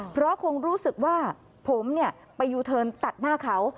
เพราะคงรู้สึกว่าผมไปยูเทิร์นตัดหน้าเขา